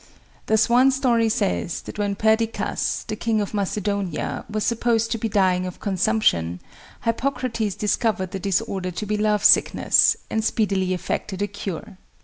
Thus one story says that when Perdiccas, the King of Macedonia, was supposed to be dying of consumption, Hippocrates discovered the disorder to be love sickness, and speedily effected a cure.